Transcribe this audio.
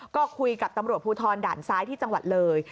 ก็คุยกับตำรวจภูทรด่านซ้ายที่จังหวัดเลย